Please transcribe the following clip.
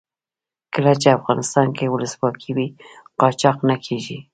کله چې افغانستان کې ولسواکي وي قاچاق نه کیږي.